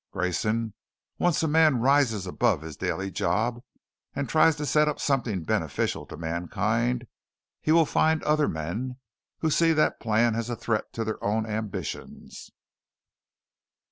Grayson, once a man rises above his daily job and tries to set up something beneficial to mankind, he will find other men who see that plan as a threat to their own ambitions."